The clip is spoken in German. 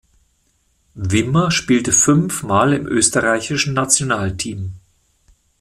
Wimmer spielte fünf Mal im österreichischen Nationalteam.